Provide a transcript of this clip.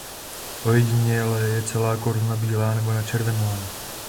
Ojediněle je celá koruna bílá nebo načervenalá.